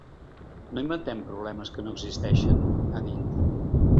No inventem problemes que no existeixen, ha dit.